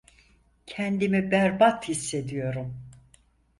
Kendimi berbat hissediyorum.